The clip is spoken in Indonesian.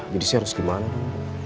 jadi sih harus gimana bu